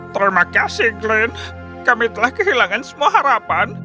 terima kasih glenn kami telah kehilangan semua harapan